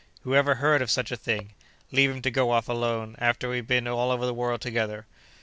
Who ever heard of such a thing? Leave him to go off alone, after we've been all over the world together!